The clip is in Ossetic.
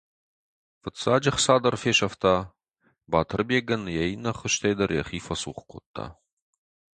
Фыццаджы ӕхца дӕр фесӕфта, Батырбегӕн йӕ иннӕ ӕххуыстӕй дӕр йӕхи фӕцух кодта.